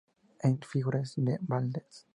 E. Figueres y C. D. Blanes.